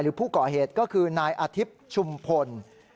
ผู้ก่อเหตุก็คือนายอาทิตย์ชุมพล